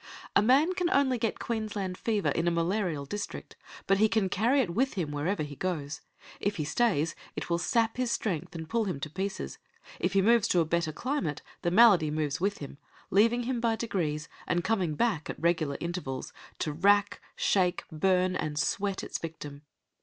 A man can only get Queensland fever in a malarial district, but he can carry it with him wherever he goes. If he stays, it will sap his strength and pull him to pieces; if he moves to a better climate, the malady moves with him, leaving him by degrees, and coming back at regular intervals to rack, shake, burn, and sweat its victim.